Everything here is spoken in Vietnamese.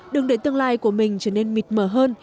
đừng để tương lai của mình trở nên mịt mờ hơn